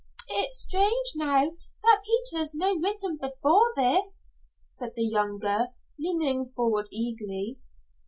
"It's strange now, that Peter's no written before this," said the younger, leaning forward eagerly.